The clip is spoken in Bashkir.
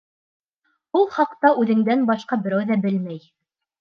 Ул хаҡта үҙеңдән башҡа берәү ҙә белмәй.